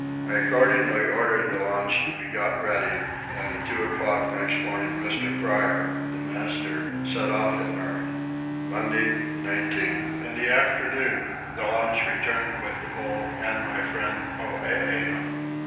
I accordingly ordered the launch to be got ready and at two o'clock the next morning Mr. Fryer, the master, set off in her. Monday 19. In the afternoon the launch returned with the bull and my friend Poeeno.